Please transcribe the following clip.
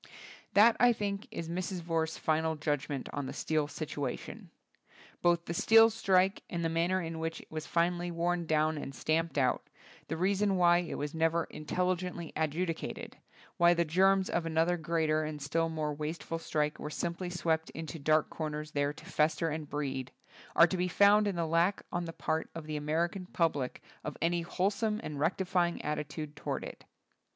That I think, is Mrs. Vorse's final judgment on the steel situation. Both the steel strike and the manner in which it was finally worn down and stamped out, the reason why it was never intelligently adjudicated, why the germs of another greater and still more wasteful strike were simply swept into dark comers there to fester and breed, are to be found in the lack on the part of the American public of any wholesome and rectifying attitude toward it.